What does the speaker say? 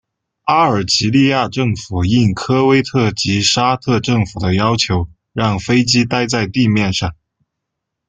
阿尔及利亚政府应科威特及沙特政府的要求让飞机待在地面上。